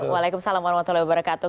waalaikumsalam warahmatullahi wabarakatuh